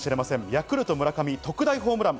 ヤクルト・村上、特大ホームラン。